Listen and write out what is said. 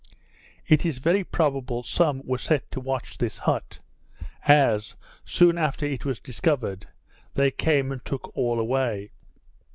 It is very probable some were set to watch this hut; as, soon after it was discovered, they came and took all away.